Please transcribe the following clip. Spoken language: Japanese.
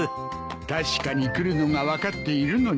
確かに来るのが分かっているのに。